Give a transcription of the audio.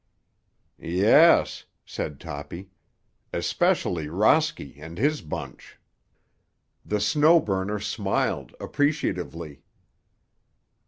"Yes," said Toppy. "Especially Rosky and his bunch." The Snow Burner smiled appreciatively.